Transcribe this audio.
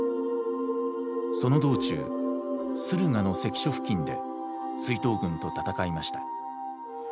その道中駿河の関所付近で追討軍と戦いました。